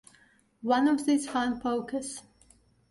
One of these fun pokers.